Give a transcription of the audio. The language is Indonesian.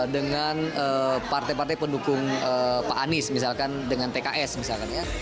dengan partai partai pendukung pak anies misalkan dengan pks misalkan ya